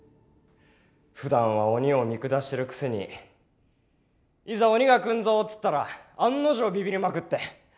ふだんは鬼を見下してるくせにいざ「鬼が来んぞ」っつったら案の定ビビりまくって。